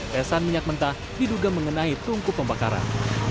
pesan minyak mentah diduga mengenai tungku pembakaran